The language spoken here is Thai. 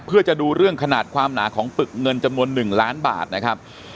เพื่อจะดูเรื่องขนาดความหนาของปึกเงินจำนวน๑ล้านบาทนะครับ